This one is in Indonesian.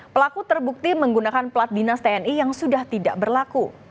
pelaku terbukti menggunakan plat dinas tni yang sudah tidak berlaku